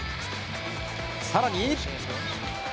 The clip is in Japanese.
更に。